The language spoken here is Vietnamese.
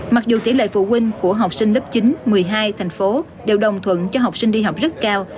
mặc dù tỷ lệ phụ huynh của học sinh lớp chín một mươi hai thành phố đều đồng thuận cho học sinh đi học rất cao